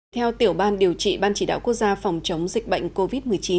theo tiểu ban điều trị ban chỉ đạo quốc gia phòng chống dịch bệnh covid một mươi chín